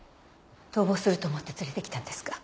逃亡すると思って連れてきたんですか？